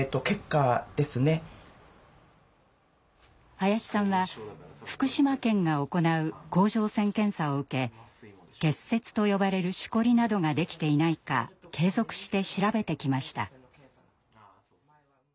林さんは福島県が行う甲状腺検査を受け結節と呼ばれるしこりなどができていないか継続して調べてきました。